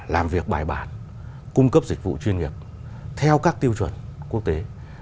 làm việc bài bản cung cấp dịch vụ chuyên nghiệp theo các tiêu chuẩn quốc tế